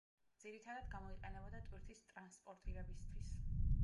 ძირითადად გამოიყენებოდა ტვირთის ტრანსპორტირებისთვის.